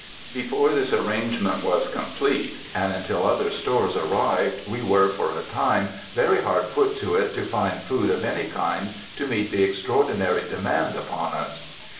Before this arrangement was complete, and until other stores arrived, we were for a time very hard put to it to find food of any kind to meet the extraordinary demand upon us.